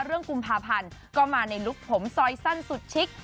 กุมภาพันธ์ก็มาในลุคผมซอยสั้นสุดชิค